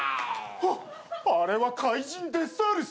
あっあれは怪人デスサウルス。